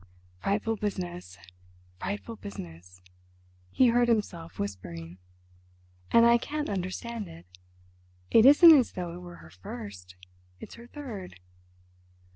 "Frightful business, frightful business," he heard himself whispering. "And I can't understand it. It isn't as though it were her first—it's her third.